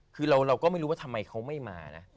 คือเราก็ไม่รู้ว่าทำไมเขาไม่มานะ